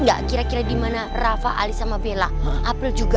gak kira kira di mana rafa ali sama bella apple juga